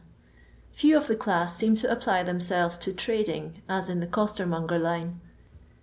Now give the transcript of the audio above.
Few of the cUiss seem to apply themselves to trading, as in the costermonger line.